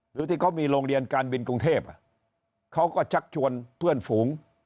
หรือที่เขามีโรงเรียนการบินกรุงเทพเขาก็ชักชวนเพื่อนฝูง